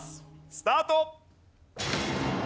スタート！